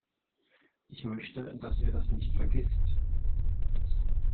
Ich möchte, dass er das nicht vergißt.